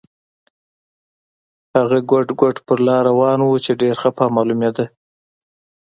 هغه ګوډ ګوډ پر لار روان و چې ډېر خپه معلومېده.